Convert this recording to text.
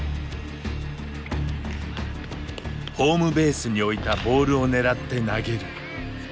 ホームベースに置いたボールを狙って投げる。